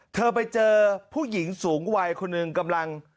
เธอไปเจอผู้หญิงสูงวัยคนหนึ่งกำลัง